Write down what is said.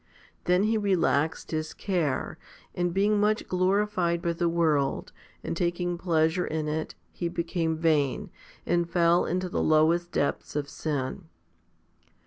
Then he relaxed his care, and being much glorified by the world, and taking pleasure in it, he became vain, and' fell into the lowest depths of sin.